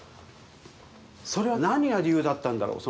それは何が理由だったんだろう？